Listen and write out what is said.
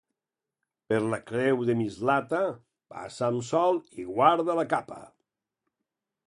Per la creu de Mislata, passa amb sol i guarda la capa.